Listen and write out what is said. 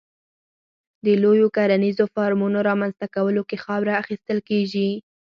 د لویو کرنیزو فارمونو رامنځته کولو کې خاوره اخیستل کېږي.